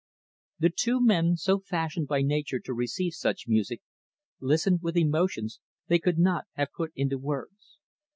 The two men, so fashioned by nature to receive such music, listened with emotions they could not have put into words.